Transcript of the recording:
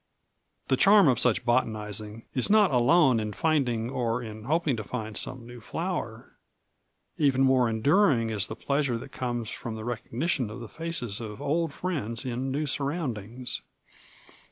The charm of such botanizing is not alone in finding or in hoping to find some new flower: even more enduring is the pleasure that comes from the recognition of the faces of old friends in new surroundings.